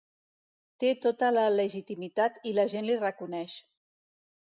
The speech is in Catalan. Té tota la legitimitat i la gent li reconeix.